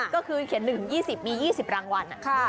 ก็คือเขียน๑๒๐มี๒๐รางวัล